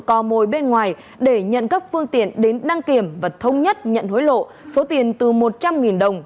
cò mồi bên ngoài để nhận các phương tiện đến đăng kiểm và thông nhất nhận hối lộ số tiền từ một trăm linh đồng